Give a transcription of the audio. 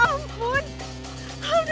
alhamdulillah aku dapat beasiswa